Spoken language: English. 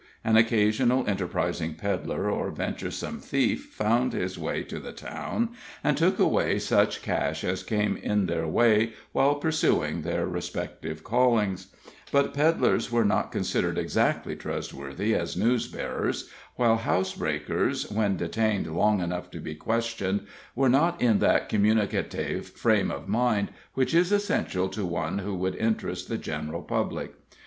An occasional enterprising peddler or venturesome thief found his way to the town, and took away such cash as came in their way while pursuing their respective callings; but peddlers were not considered exactly trustworthy as news bearers, while house breakers, when detained long enough to be questioned, were not in that communicative frame of mind which is essential to one who would interest the general public.